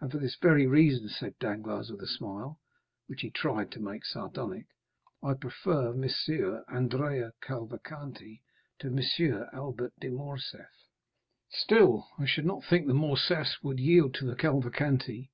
"And for this very reason," said Danglars with a smile, which he tried to make sardonic, "I prefer M. Andrea Cavalcanti to M. Albert de Morcerf." "Still, I should not think the Morcerfs would yield to the Cavalcanti?"